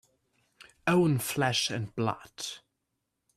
Own flesh and blood